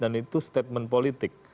dan itu statement politik